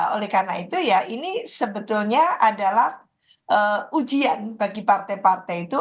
oleh karena itu ya ini sebetulnya adalah ujian bagi partai partai itu